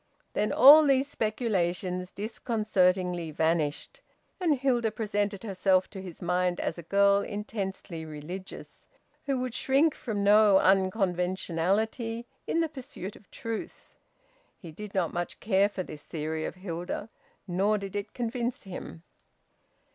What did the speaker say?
Then all these speculations disconcertingly vanished, and Hilda presented herself to his mind as a girl intensely religious, who would shrink from no unconventionality in the pursuit of truth. He did not much care for this theory of Hilda, nor did it convince him.